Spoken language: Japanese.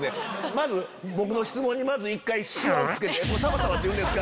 まず僕の質問に１回シワつけて。